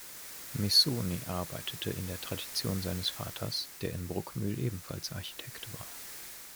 Missoni arbeitete in der Tradition seines Vaters, der in Bruckmühl ebenfalls Architekt war.